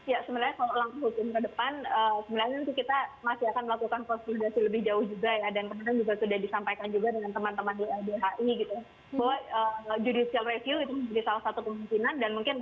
ya sebenarnya kalau langkah hukum ke depan